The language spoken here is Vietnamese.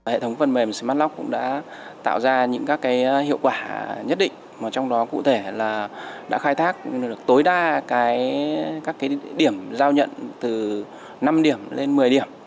hệ thống phần mềm smartlock cũng đã tạo ra những các hiệu quả nhất định mà trong đó cụ thể là đã khai thác tối đa các điểm giao nhận từ năm điểm lên một mươi điểm